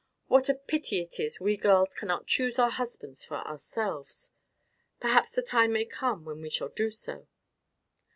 What a pity it is we girls cannot choose our husbands for ourselves! Perhaps the time may come when we shall do so."